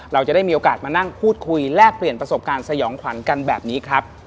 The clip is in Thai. เราจะได้มีโอกาสมานั่งพูดคุยแลกเปลี่ยนประสบการณ์สยองขวัญกันแบบนี้ครับ